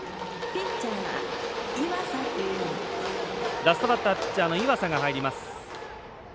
ラストバッターピッチャーの岩佐が入ります。